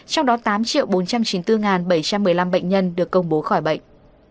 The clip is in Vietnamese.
trong đó tám bốn trăm chín mươi bốn bảy trăm một mươi năm bệnh nhân được công bố khỏi bệnh